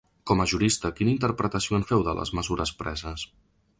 Com a jurista, quina interpretació en feu, de les mesures preses?